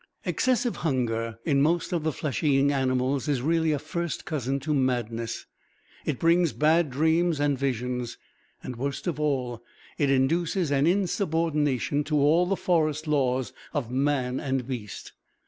Excessive hunger, in most of the flesh eating animals, is really a first cousin to madness. It brings bad dreams and visions, and, worst of all, it induces an insubordination to all the forest laws of man and beast.